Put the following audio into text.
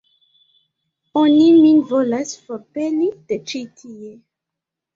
Oni min volas forpeli de ĉi tie.